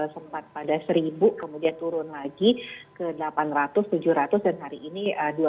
sempat pada seribu kemudian turun lagi ke delapan ratus tujuh ratus dan hari ini dua ratus